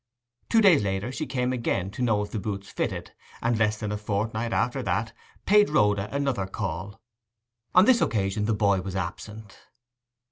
Two days later she came again to know if the boots fitted; and less than a fortnight after that paid Rhoda another call. On this occasion the boy was absent.